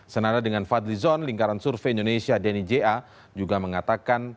senada dengan fadlizon lingkaran survei indonesia denny ja juga mengatakan